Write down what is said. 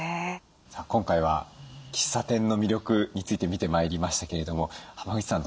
さあ今回は喫茶店の魅力について見てまいりましたけれども濱口さん